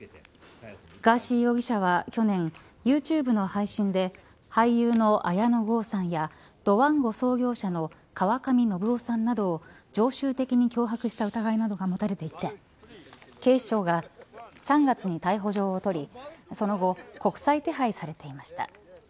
ガーシー容疑者は去年ユーチューブの配信で俳優の綾野剛さんやドワンゴ創業者の川上量生さんなどを常習的に脅迫した疑いなどが持たれていて警視庁が３月に逮捕状を取りその後国際手配されていました。